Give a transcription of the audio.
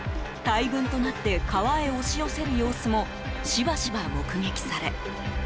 大群となって川へ押し寄せる様子もしばしば、目撃され。